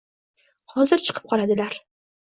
Hozir chiqib qoladilar